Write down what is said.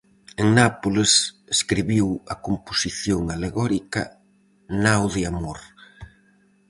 En Nápoles escribiu a composición alegórica "Nao de Amor".